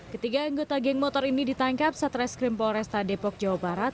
ketiga anggota geng motor ini ditangkap saat reskrim polresta depok jawa barat